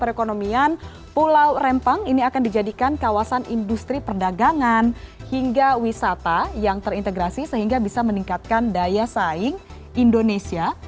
perekonomian pulau rempang ini akan dijadikan kawasan industri perdagangan hingga wisata yang terintegrasi sehingga bisa meningkatkan daya saing indonesia